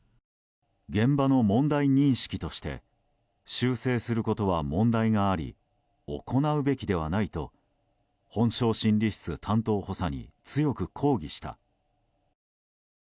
現場の問題認識として修正することは問題があり行うべきではないと本省審理室担当補佐に強く抗議した。